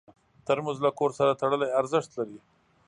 ترموز له کور سره تړلی ارزښت لري.